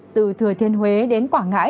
từ thừa thiên huế đến quảng ngãi